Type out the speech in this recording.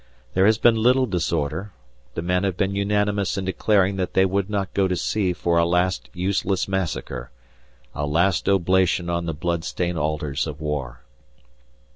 There has been little disorder; the men have been unanimous in declaring that they would not go to sea for a last useless massacre, a last oblation on the bloodstained altars of war.